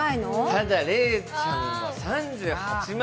ただ礼ちゃんが３８万。